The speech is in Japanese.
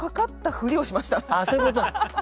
あそういうこと。